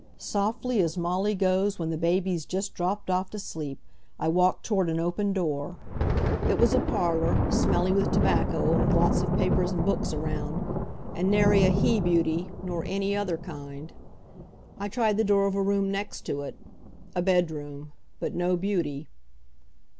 Softly as Molly goes when the baby's just dropped off to sleep, I walked toward an open door. It was a parlor, smelly with tobacco, and with lots of papers and books around. And nary a he beauty nor any other kind. I tried the door of a room next to it. A bedroom. But no Beauty.